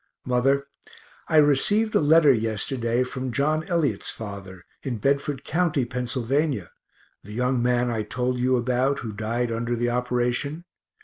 Mother, I received a letter yesterday from John Elliot's father, in Bedford co., Pennsylvania (the young man I told you about, who died under the operation).